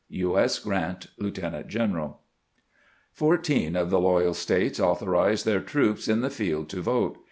U. S. Grant, Lieutenant general. Fourteen of the loyal States authorized their troops in the field to vote.